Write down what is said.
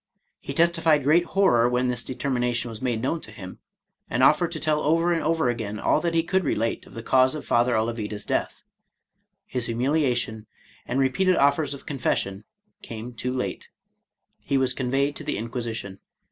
He testified great horror when this determina tion was made known to him, — and offered to tell over and over again all that he could relate of the cause of Father Olavida's death. His humiliation, and repeated oflFers of confession, came too late. He was conveyed to the Inquisi tion.